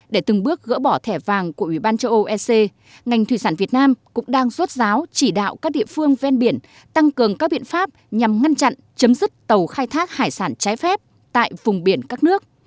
để từng bước gỡ bỏ thẻ vàng của ủy ban châu âu ec ngành thủy sản việt nam cũng đang rốt ráo chỉ đạo các địa phương ven biển tăng cường các biện pháp nhằm ngăn chặn chấm dứt tàu khai thác hải sản trái phép tại vùng biển các nước